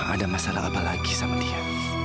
ada masalah apa lagi sama dia